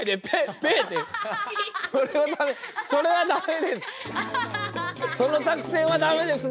それはダメです！